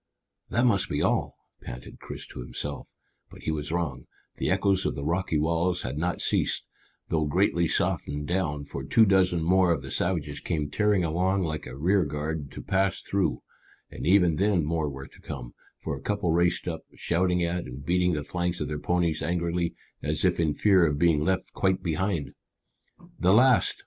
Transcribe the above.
"That must be all," panted Chris to himself; but he was wrong; the echoes of the rocky walls had not ceased, though greatly softened down, for two dozen more of the savages came tearing along like a rearguard to pass through, and even then more were to come, for a couple raced up, shouting at and beating the flanks of their ponies angrily, as if in fear of being left quite behind. "The last!"